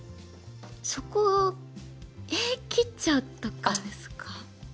そこええ切っちゃうとかですか？